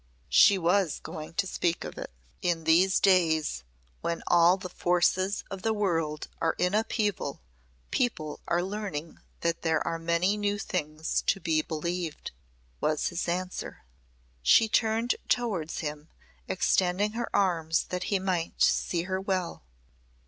She was going to speak of it. "In these days when all the forces of the world are in upheaval people are learning that there are many new things to be believed," was his answer. She turned towards him, extending her arms that he might see her well.